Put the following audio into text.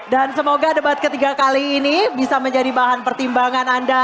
dan semoga debat ketiga kali ini bisa menjadi bahan pertimbangan